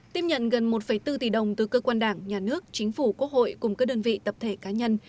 tiếp nhận gần một bốn tỷ đồng từ cơ quan đảng nhà nước chính phủ quốc hội cùng các đơn vị tập thể cá nhân